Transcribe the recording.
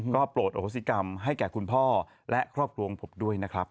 ก็โปรดอโหสิกรรมให้แก่คุณพ่อและครอบครัวของผมด้วยนะครับ